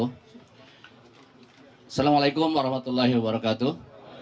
assalamualaikum warahmatullahi wabarakatuh